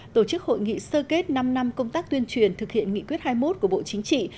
tổ chức hội nghị sơ kết năm năm công tác tuyên truyền thực hiện nghị quyết hai mươi một của bộ chính trị